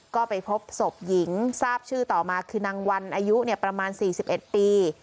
ก็ไปพบศพหญิงทราบชื่อต่อมาคือนางวันอายุเนี่ยประมาณสี่สิบเอ็ดปี